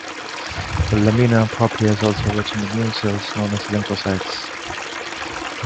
The lamina propria is also rich in immune cells known as lymphocytes.